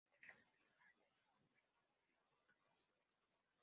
Entre los firmantes no figuró León Trotsky.